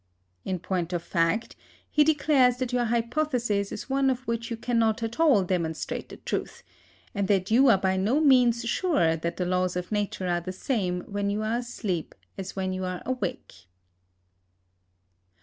In point of fact, he declares that your hypothesis is one of which you cannot at all demonstrate the truth, and that you are by no means sure that the laws of Nature are the same when you are asleep as when you are awake.